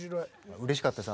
うれしかったです